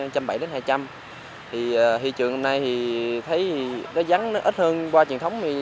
thì thị trường hôm nay thì thấy giá giắng nó ít hơn qua truyền thống